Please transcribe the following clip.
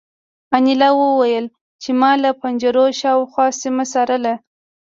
انیلا وویل چې ما له پنجرو شاوخوا سیمه څارله